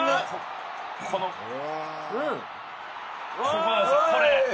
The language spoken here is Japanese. ここですよこれ。